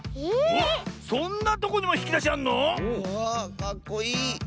かっこいい！